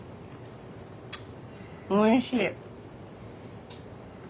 おいしい！